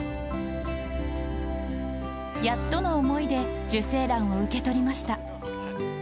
やっとの思いで受精卵を受け取りました。